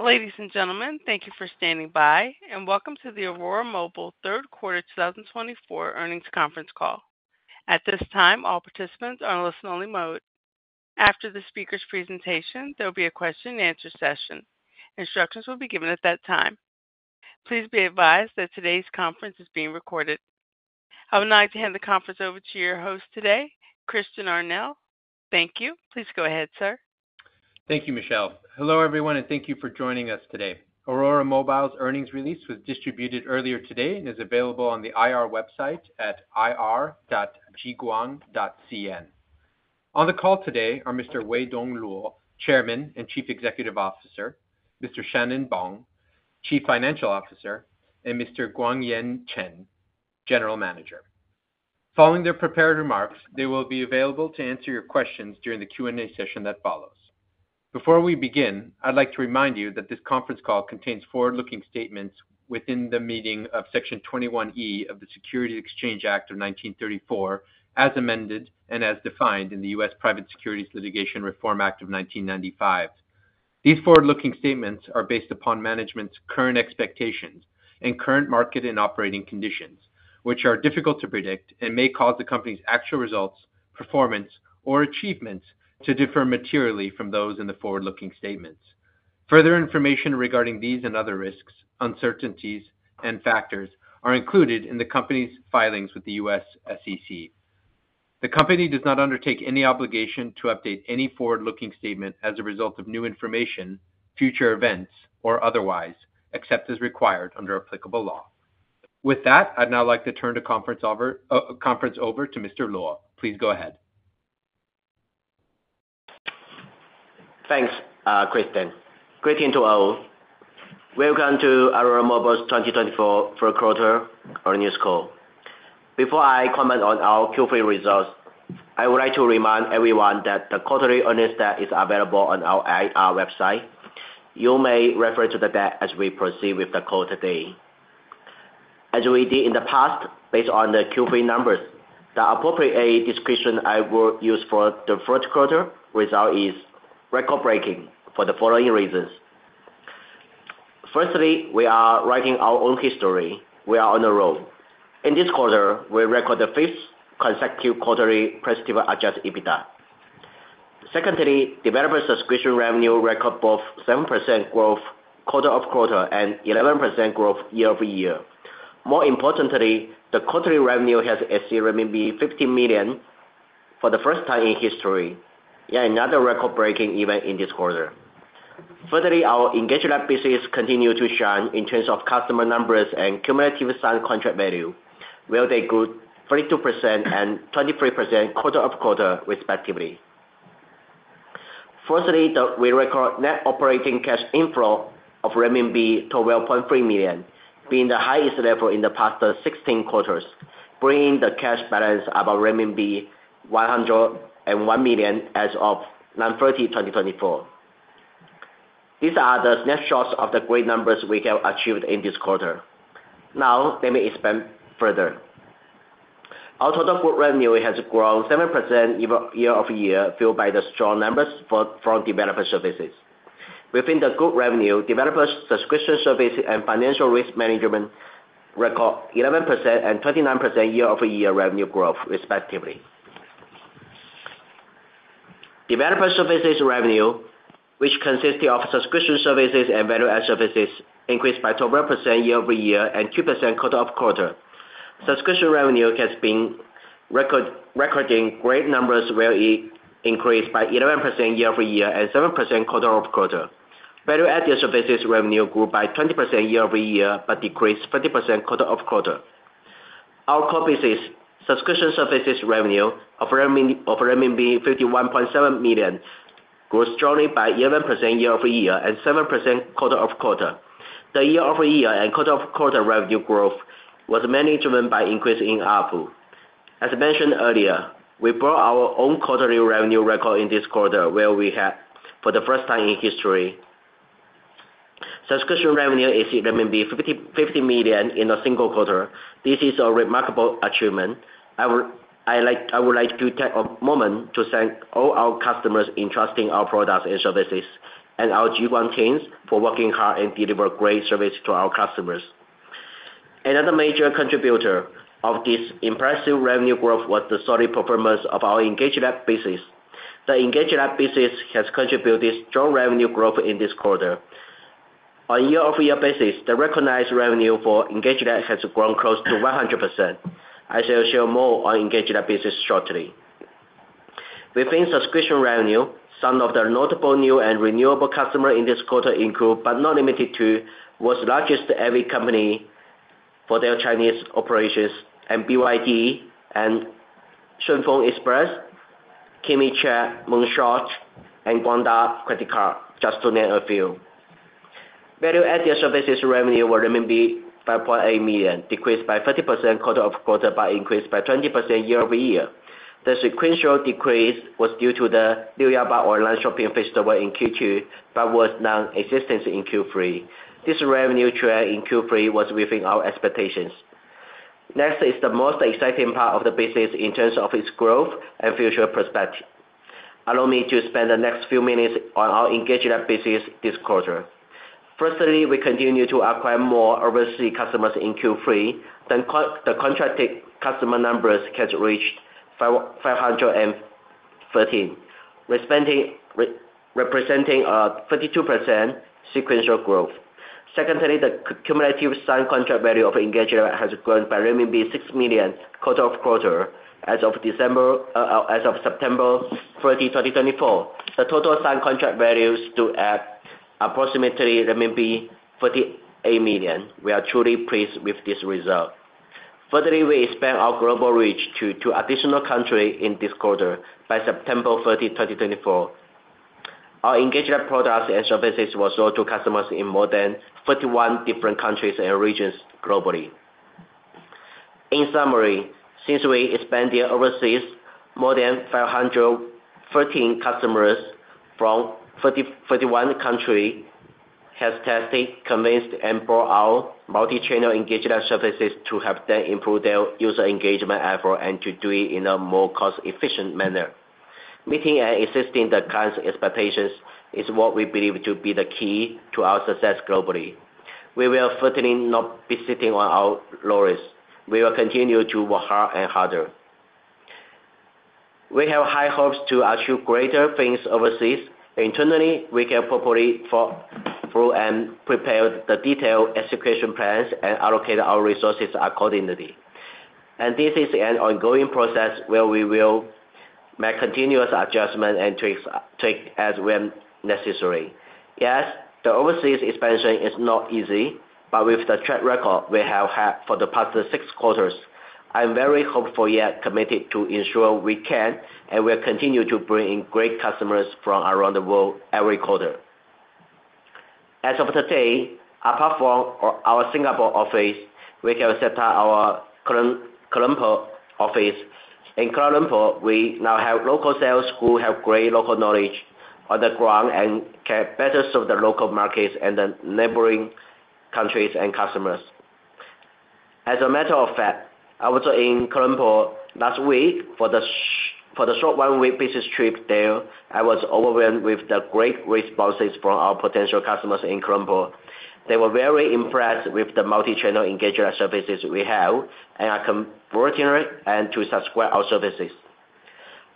Ladies and gentlemen, thank you for standing by, and welcome to the Aurora Mobile Third Quarter 2024 Earnings Conference Call. At this time, all participants are in listen-only mode. After the speaker's presentation, there will be a question-and-answer session. Instructions will be given at that time. Please be advised that today's conference is being recorded. I would like to hand the conference over to your host today, Christian Arnell. Thank you. Please go ahead, sir. Thank you, Michelle. Hello, everyone, and thank you for joining us today. Aurora Mobile's earnings release was distributed earlier today and is available on the IR website at ir.jiguang.cn. On the call today are Mr. Weidong Luo, Chairman and Chief Executive Officer, Mr. Shan-Nen Bong, Chief Financial Officer, and Mr. Guangyan Chen, General Manager. Following their prepared remarks, they will be available to answer your questions during the Q&A session that follows. Before we begin, I'd like to remind you that this conference call contains forward-looking statements within the meaning of Section 21E of the Securities Exchange Act of 1934, as amended and as defined in the U.S. Private Securities Litigation Reform Act of 1995. These forward-looking statements are based upon management's current expectations and current market and operating conditions, which are difficult to predict and may cause the company's actual results, performance, or achievements to differ materially from those in the forward-looking statements. Further information regarding these and other risks, uncertainties, and factors are included in the company's filings with the U.S. SEC. The company does not undertake any obligation to update any forward-looking statement as a result of new information, future events, or otherwise, except as required under applicable law. With that, I'd now like to turn the conference over to Mr. Luo. Please go ahead. Thanks, Christian. Good evening to all. Welcome to Aurora Mobile's 2024 Third Quarter Earnings Call. Before I comment on our Q3 results, I would like to remind everyone that the quarterly earnings stat is available on our IR website. You may refer to the stat as we proceed with the call today. As we did in the past, based on the Q3 numbers, the appropriate description I will use for the first quarter result is record-breaking for the following reasons. Firstly, we are writing our own history. We are on a roll. In this quarter, we record the fifth consecutive quarterly positive adjusted EBITDA. Secondly, developer subscription revenue record both 7% growth quarter-over-quarter and 11% growth year-over-year. More importantly, the quarterly revenue has exceeded 15 million for the first time in history. Yet another record-breaking event in this quarter. Furthermore, our EngageLab business continues to shine in terms of customer numbers and cumulative signed contract value, where they grew 32% and 23% quarter-over-quarter, respectively. Fourthly, we record net operating cash inflow of 12.3 million renminbi, being the highest level in the past 16 quarters, bringing the cash balance above renminbi 101 million as of 09/30/2024. These are the snapshots of the great numbers we have achieved in this quarter. Now, let me expand further. Our total GAAP revenue has grown 7% year-over-year, fueled by the strong numbers from developer services. Within the GAAP revenue, developer subscription services and financial risk management record 11% and 29% year-over-year revenue growth, respectively. Developer services revenue, which consisted of subscription services and value-added services, increased by 12% year-over-year and 2% quarter-over-quarter. Subscription revenue has been recording great numbers, where it increased by 11% year-over-year and 7% quarter-over-quarter. Value-added services revenue grew by 20% year-over-year but decreased 30% quarter-over-quarter. Our core business, subscription services revenue of RMB 51.7 million, grew strongly by 11% year-over-year and 7% quarter-over-quarter. The year-over-year and quarter-over-quarter revenue growth was mainly driven by increase in ARPU. As mentioned earlier, we brought our own quarterly revenue record in this quarter, where we had, for the first time in history, subscription revenue exceed 50 million in a single quarter. This is a remarkable achievement. I would like to take a moment to thank all our customers in trusting our products and services, and our G1 teams for working hard and delivering great service to our customers. Another major contributor of this impressive revenue growth was the solid performance of our EngageLab business. The EngageLab business has contributed strong revenue growth in this quarter. On a year-over-year basis, the recognized revenue for EngageLab has grown close to 100%. I shall share more on EngageLab business shortly. Within subscription revenue, some of the notable new and renewable customers in this quarter include, but not limited to world's Largest Heavy Company for their Chinese operations, and BYD and Shun Fung Express, Kimi chat, Moonshot, and Guangda Credit Card, just to name a few. Value-added services revenue was 5.8 million, decreased by 30% quarter-over-quarter but increased by 20% year-over-year. The sequential decrease was due to the New Year Bought Online Shopping Festival in Q2 but was non-existent in Q3. This revenue trend in Q3 was within our expectations. Next is the most exciting part of the business in terms of its growth and future perspective. Allow me to spend the next few minutes on our EngageLab business this quarter. Firstly, we continue to acquire more overseas customers in Q3. The contracted customer numbers have reached 513, representing a 32% sequential growth. Secondly, the cumulative signed contract value of EngageLab has grown by renminbi 6 million quarter-over-quarter. As of September 30, 2024, the total signed contract values still at approximately 48 million. We are truly pleased with this result. Furtherly, we expand our global reach to two additional countries in this quarter by September 30, 2024. Our EngageLab products and services were sold to customers in more than 31 different countries and regions globally. In summary, since we expanded overseas, more than 513 customers from 31 countries have tested, convinced, and brought our multi-channel EngageLab services to help them improve their user engagement effort and to do it in a more cost-efficient manner. Meeting and assisting the clients' expectations is what we believe to be the key to our success globally. We will certainly not be sitting on our laurels. We will continue to work hard and harder. We have high hopes to achieve greater things overseas. Internally, we can properly throw and prepare the detailed execution plans and allocate our resources accordingly, and this is an ongoing process where we will make continuous adjustments and tweaks as when necessary. Yes, the overseas expansion is not easy, but with the track record we have had for the past six quarters, I'm very hopeful yet committed to ensure we can and will continue to bring in great customers from around the world every quarter. As of today, apart from our Singapore office, we have set up our Kuala Lumpur office. In Kuala Lumpur, we now have local sales who have great local knowledge on the ground and can better serve the local markets and the neighboring countries and customers. As a matter of fact, I was in Kuala Lumpur last week for the short one-week business trip there. I was overwhelmed with the great responses from our potential customers in Kuala Lumpur. They were very impressed with the multi-channel EngageLab services we have and are converging to subscribe our services.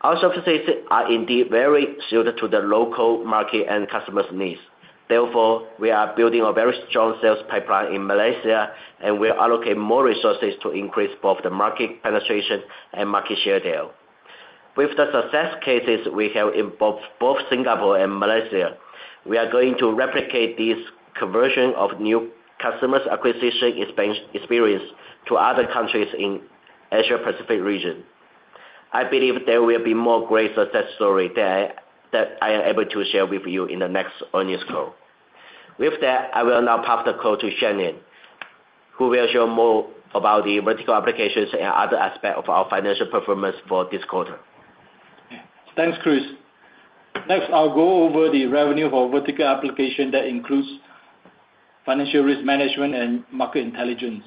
Our services are indeed very suited to the local market and customers' needs. Therefore, we are building a very strong sales pipeline in Malaysia, and we'll allocate more resources to increase both the market penetration and market share there. With the success cases we have in both Singapore and Malaysia, we are going to replicate this conversion of new customers' acquisition experience to other countries in the Asia-Pacific region. I believe there will be more great success stories that I am able to share with you in the next earnings call. With that, I will now pass the call to Shan-Nen, who will share more about the vertical applications and other aspects of our financial performance for this quarter. Thanks, Chris. Next, I'll go over the revenue for Vertical Application that includes Financial Risk Management and Market Intelligence.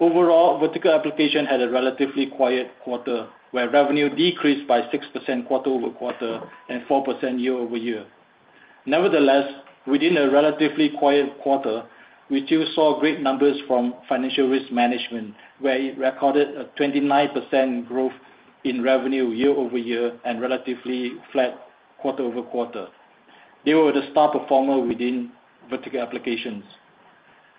Overall, Vertical Application had a relatively quiet quarter, where revenue decreased by 6% quarter-over-quarter and 4% year-over-year. Nevertheless, within a relatively quiet quarter, we still saw great numbers from Financial Risk Management, where it recorded a 29% growth in revenue year-over-year and relatively flat quarter-over-quarter. They were the star performers within vertical applications.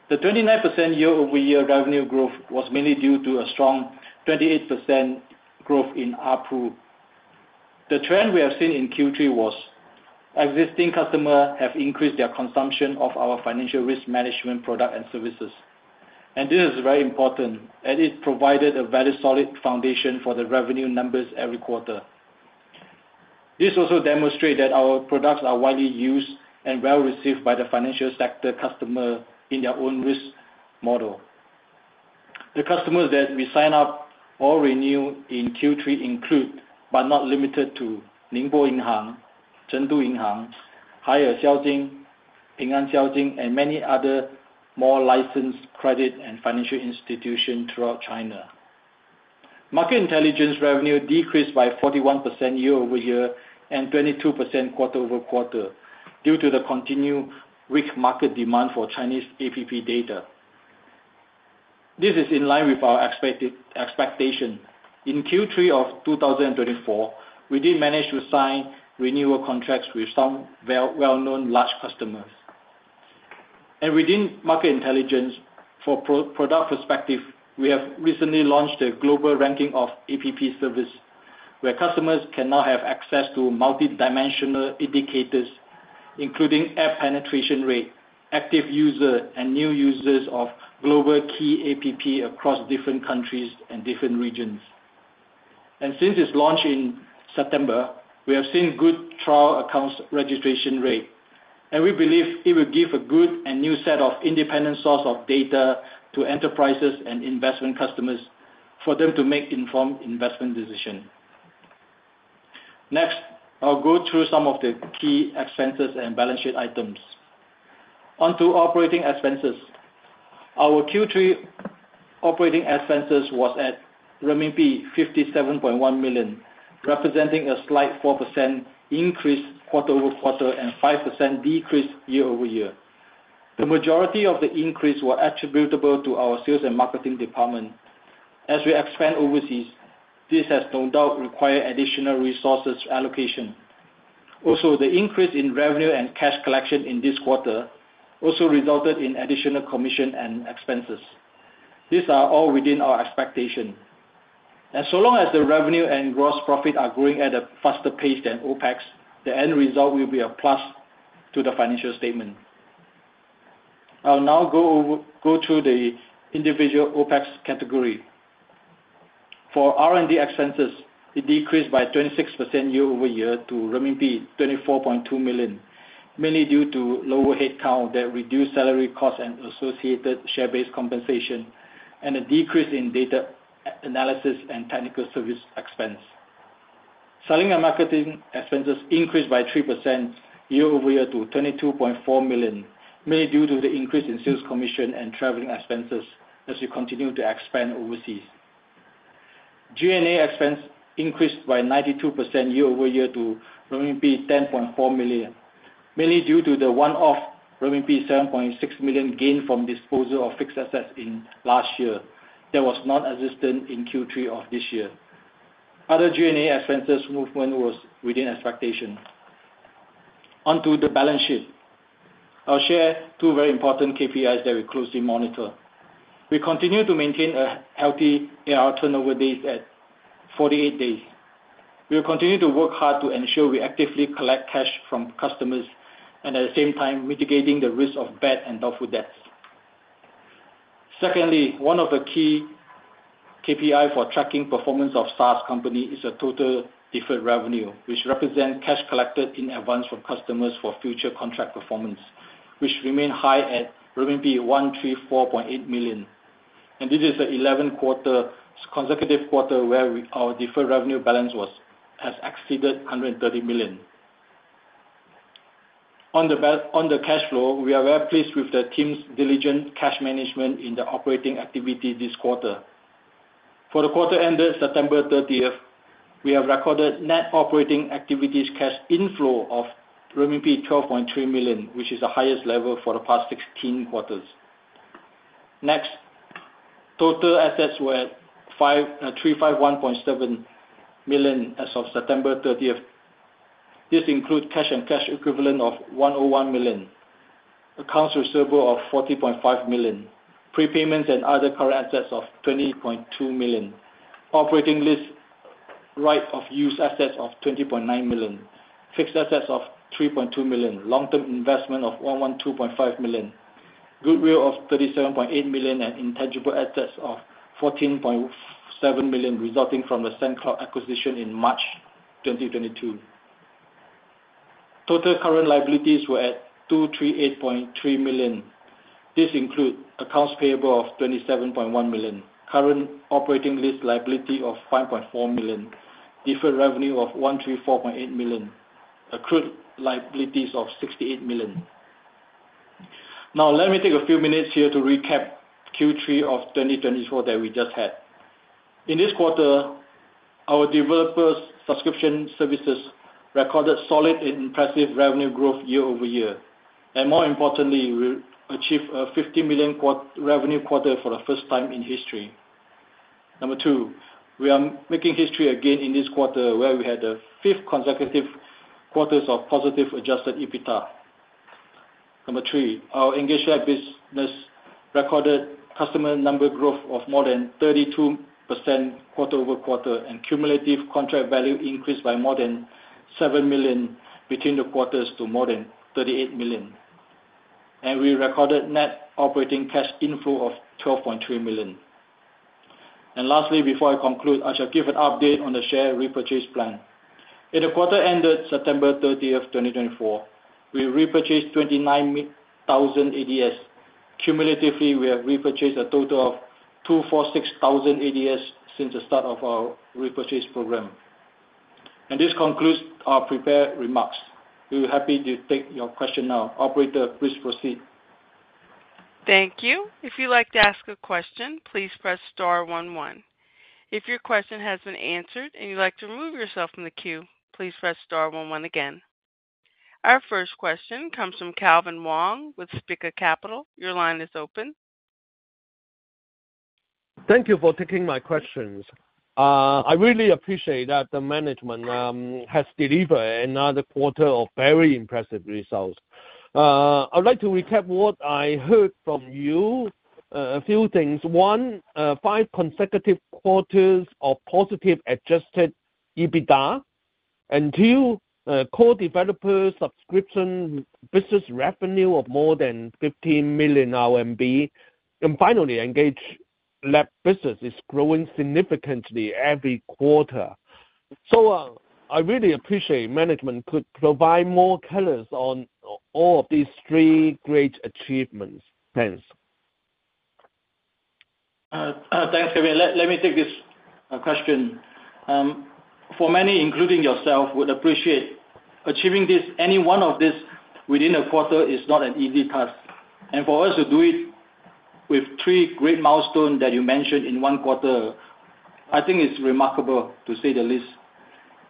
The 29% year-over-year revenue growth was mainly due to a strong 28% growth in ARPU. The trend we have seen in Q3 was existing customers have increased their consumption of our Financial Risk Management products and services. And this is very important, as it provided a very solid foundation for the revenue numbers every quarter. This also demonstrates that our products are widely used and well received by the financial sector customers in their own risk model. The customers that we sign up or renew in Q3 include, but not limited to, Ningbo Yinghang, Chengdu Yinghang, Haier Xiaojing, Ping An Xiaojing, and many other more licensed credit and financial institutions throughout China. Market intelligence revenue decreased by 41% year-over-year and 22% quarter-over-quarter due to the continued weak market demand for Chinese app data. This is in line with our expectation. In Q3 of 2024, we did manage to sign renewal contracts with some well-known large customers, and within market intelligence for product perspective, we have recently launched a global ranking of app services, where customers can now have access to multi-dimensional indicators, including app penetration rate, active users, and new users of global key app across different countries and different regions, and since its launch in September, we have seen good trial accounts registration rate. We believe it will give a good and new set of independent sources of data to enterprises and investment customers for them to make informed investment decisions. Next, I'll go through some of the key expenses and balance sheet items. On to operating expenses. Our Q3 operating expenses was at RMB 57.1 million, representing a slight 4% increase quarter-over-quarter and 5% decrease year-over-year. The majority of the increase was attributable to our sales and marketing department. As we expand overseas, this has no doubt required additional resources allocation. Also, the increase in revenue and cash collection in this quarter also resulted in additional commission and expenses. These are all within our expectation. And so long as the revenue and gross profit are growing at a faster pace than OpEx, the end result will be a plus to the financial statement. I'll now go through the individual OpEx category. For R&D expenses, it decreased by 26% year-over-year to renminbi 24.2 million, mainly due to lower headcount that reduced salary costs and associated share-based compensation, and a decrease in data analysis and technical service expense. Selling and marketing expenses increased by 3% year-over-year to 22.4 million, mainly due to the increase in sales commission and traveling expenses as we continue to expand overseas. G&A expenses increased by 92% year-over-year to RMB 10.4 million, mainly due to the one-off RMB 7.6 million gain from disposal of fixed assets in last year that was non-existent in Q3 of this year. Other G&A expenses movement was within expectation. On to the balance sheet. I'll share two very important KPIs that we closely monitor. We continue to maintain a healthy AR turnover days at 48 days. We will continue to work hard to ensure we actively collect cash from customers and, at the same time, mitigate the risk of bad and doubtful debts. Secondly, one of the key KPIs for tracking performance of SaaS companies is total deferred revenue, which represents cash collected in advance from customers for future contract performance, which remains high at RMB 134.8 million, and this is the 11th consecutive quarter where our deferred revenue balance has exceeded 130 million. On the cash flow, we are very pleased with the team's diligent cash management in the operating activity this quarter. For the quarter-ended, September 30th, we have recorded net operating activity cash inflow of RMB 12.3 million, which is the highest level for the past 16 quarters. Next, total assets were at 351.7 million as of September 30th. This includes cash and cash equivalents of 101 million, accounts receivable of 40.5 million, prepayments and other current assets of 20.2 million, operating lease right-of-use assets of 20.9 million, fixed assets of 3.2 million, long-term investments of 112.5 million, goodwill of 37.8 million, and intangible assets of 14.7 million resulting from the SendCloud acquisition in March 2022. Total current liabilities were at 238.3 million. This includes accounts payable of 27.1 million, current operating lease liability of 5.4 million, deferred revenue of 134.8 million, accrued liabilities of 68 million. Now, let me take a few minutes here to recap Q3 of 2024 that we just had. In this quarter, our developer's subscription services recorded solid and impressive revenue growth year-over-year, and more importantly, we achieved a 50 million revenue quarter for the first time in history. Number two, we are making history again in this quarter, where we had the fifth consecutive quarter of positive Adjusted EBITDA. Number three, our EngageLab business recorded customer number growth of more than 32% quarter-over-quarter and cumulative contract value increased by more than 7 million between the quarters to more than 38 million, and we recorded net operating cash inflow of 12.3 million, and lastly, before I conclude, I shall give an update on the share repurchase plan. In the quarter ended September 30th, 2024, we repurchased 29,000 ADS. Cumulatively, we have repurchased a total of 246,000 ADS since the start of our repurchase program, and this concludes our prepared remarks. We'll be happy to take your question now. Operator, please proceed. Thank you. If you'd like to ask a question, please press star 11. If your question has been answered and you'd like to remove yourself from the queue, please press star 11 again. Our first question comes from Calvin Wong with Spica Capital. Your line is open. Thank you for taking my questions. I really appreciate that the management has delivered another quarter of very impressive results. I'd like to recap what I heard from you. A few things. One, five consecutive quarters of positive Adjusted EBITDA. And two, core developer subscription business revenue of more than 15 million RMB. And finally, EngageLab business is growing significantly every quarter. So I really appreciate management could provide more colors on all of these three great achievements. Thanks. Thanks, Calvin. Let me take this question. For many, including yourself, who would appreciate achieving this, any one of these within a quarter is not an easy task, and for us to do it with three great milestones that you mentioned in one quarter, I think it's remarkable, to say the least,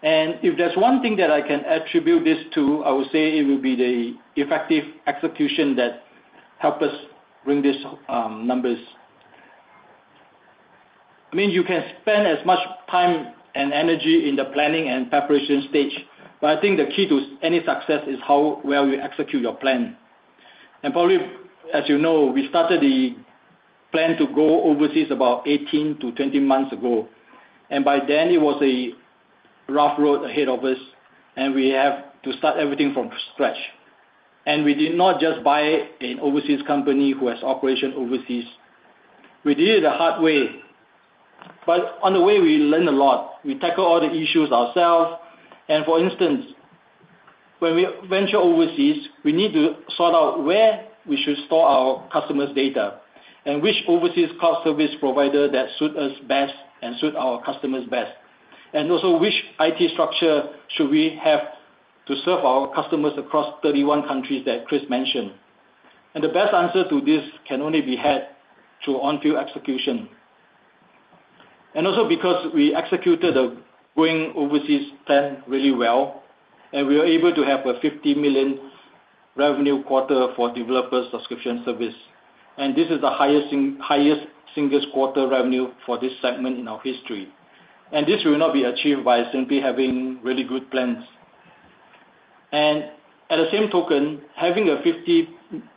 and if there's one thing that I can attribute this to, I would say it will be the effective execution that helped us bring these numbers. I mean, you can spend as much time and energy in the planning and preparation stage, but I think the key to any success is how well you execute your plan, and probably, as you know, we started the plan to go overseas about 18-20 months ago. And by then, it was a rough road ahead of us, and we had to start everything from scratch. And we did not just buy an overseas company who has operations overseas. We did it the hard way. But on the way, we learned a lot. We tackled all the issues ourselves. And for instance, when we venture overseas, we need to sort out where we should store our customers' data and which overseas cloud service provider that suits us best and suits our customers best. And also, which IT structure should we have to serve our customers across 31 countries that Chris mentioned? And the best answer to this can only be had through on-field execution. And also, because we executed the going overseas plan really well, and we were able to have a 50 million revenue quarter for developer subscription service. And this is the highest single quarter revenue for this segment in our history. And this will not be achieved by simply having really good plans. At the same token, having a 50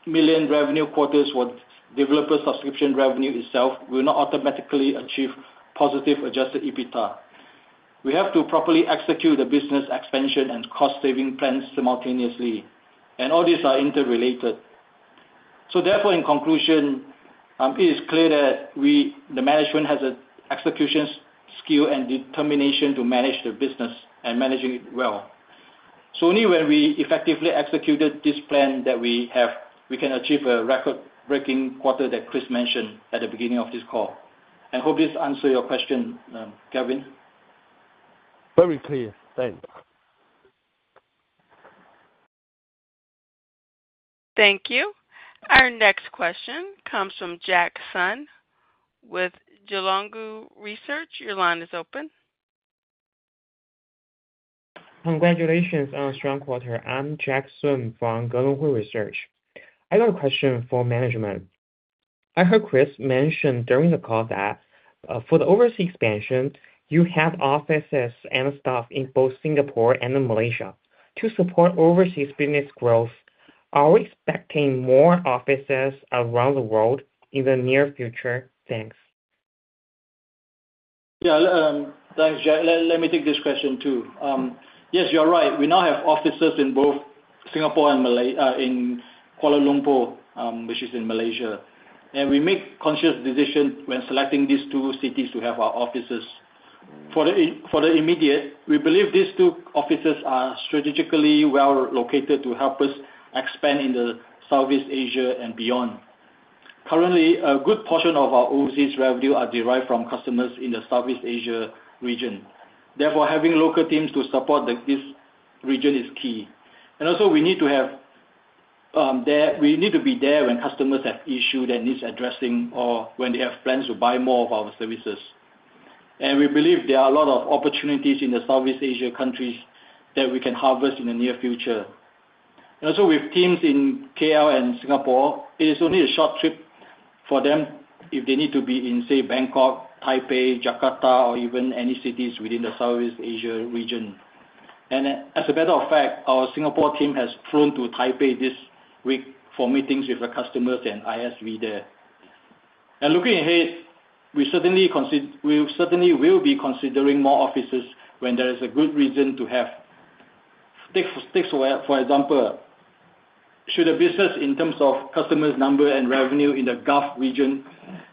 million revenue quarter for developer subscription revenue itself will not automatically achieve positive Adjusted EBITDA. We have to properly execute the business expansion and cost-saving plans simultaneously. And all these are interrelated. So therefore, in conclusion, it is clear that the management has an execution skill and determination to manage the business and manage it well. So only when we effectively execute this plan that we can achieve a record-breaking quarter that Chris mentioned at the beginning of this call. And I hope this answers your question, Calvin. Very clear. Thanks. Thank you. Our next question comes from Jack Sun with Gelonghui Research. Your line is open. Congratulations on a strong quarter. I'm Jack Sun from Gelonghui Research. I have a question for management. I heard Chris mention during the call that for the overseas expansion, you have offices and staff in both Singapore and Malaysia. To support overseas business growth, are we expecting more offices around the world in the near future? Thanks. Yeah. Thanks, Jack. Let me take this question too. Yes, you're right. We now have offices in both Singapore and Kuala Lumpur, which is in Malaysia, and we make conscious decisions when selecting these two cities to have our offices. For the immediate, we believe these two offices are strategically well located to help us expand in the Southeast Asia and beyond. Currently, a good portion of our overseas revenue is derived from customers in the Southeast Asia region. Therefore, having local teams to support this region is key, and also we need to be there when customers have issues that need addressing or when they have plans to buy more of our services, and we believe there are a lot of opportunities in the Southeast Asia countries that we can harvest in the near future. And also, with teams in KL and Singapore, it is only a short trip for them if they need to be in, say, Bangkok, Taipei, Jakarta, or even any cities within the Southeast Asia region. And as a matter of fact, our Singapore team has flown to Taipei this week for meetings with the customers and ISV there. And looking ahead, we certainly will be considering more offices when there is a good reason to have. For example, should the business in terms of customers' number and revenue in the Gulf region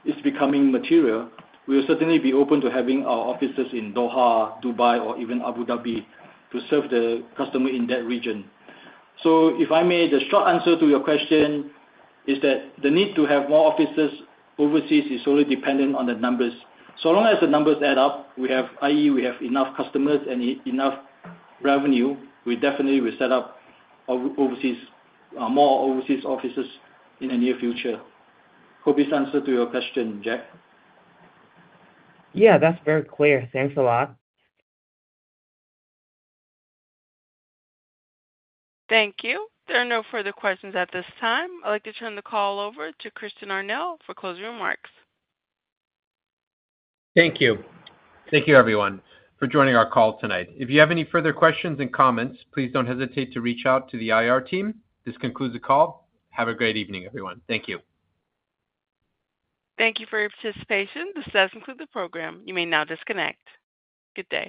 be becoming material, we will certainly be open to having our offices in Doha, Dubai, or even Abu Dhabi to serve the customers in that region. So if I may, the short answer to your question is that the need to have more offices overseas is solely dependent on the numbers. So long as the numbers add up, i.e., we have enough customers and enough revenue, we definitely will set up more overseas offices in the near future. Hope this answers your question, Jack. Yeah, that's very clear. Thanks a lot. Thank you. There are no further questions at this time. I'd like to turn the call over to Christian Arnell for closing remarks. Thank you. Thank you, everyone, for joining our call tonight. If you have any further questions and comments, please don't hesitate to reach out to the IR team. This concludes the call. Have a great evening, everyone. Thank you. Thank you for your participation. This does conclude the program. You may now disconnect. Good day.